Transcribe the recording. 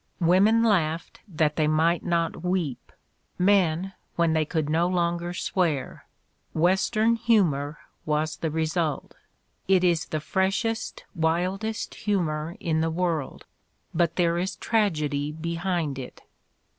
Women laughed that they might not weep; men, when they could no longer swear. 'Western humor' was the result. It is the freshest, wildest humor in the world, but there is tragedy behind it.